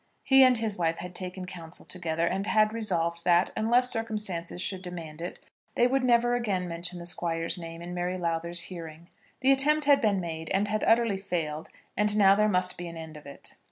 He and his wife had taken counsel together, and had resolved that, unless circumstances should demand it, they would never again mention the Squire's name in Mary Lowther's hearing. The attempt had been made and had utterly failed, and now there must be an end of it.